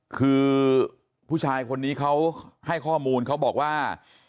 คือผู้ชายคนนี้เขาให้ข้อมูลเขาบอกว่า